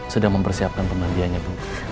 sedang mempersiapkan penandianya bu